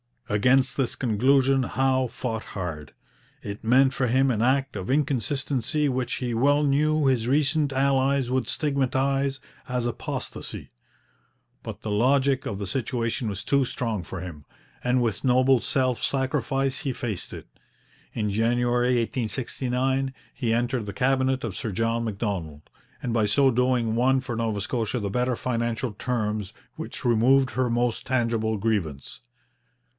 Against this conclusion Howe fought hard. It meant for him an act of inconsistency which he well knew his recent allies would stigmatize as apostasy. But the logic of the situation was too strong for him, and with noble self sacrifice he faced it. In January 1869 he entered the Cabinet of Sir John Macdonald, and by so doing won for Nova Scotia the better financial terms which removed her most tangible grievance.